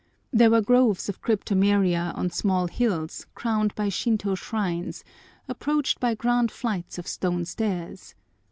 There were groves of cryptomeria on small hills crowned by Shintô shrines, approached by grand flights of stone stairs.